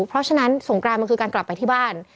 เพราะฉะนั้นสงกรานมันคือการกลับไปที่บ้าน